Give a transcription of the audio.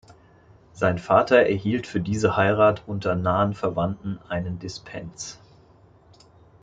Sein Vater erhielt für diese Heirat unter nahen Verwandten einen Dispens.